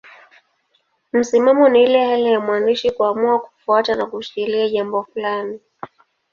Msimamo ni ile hali ya mwandishi kuamua kufuata na kushikilia jambo fulani.